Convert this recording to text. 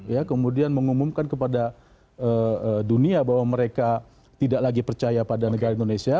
ya kemudian mengumumkan kepada dunia bahwa mereka tidak lagi percaya pada negara indonesia